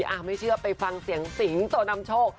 อ่ะไม่เชื่อไปฟังเสียงสิงโตนำโชค